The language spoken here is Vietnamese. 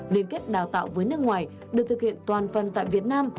liên kết đào tạo với nước ngoài được thực hiện toàn phần tại việt nam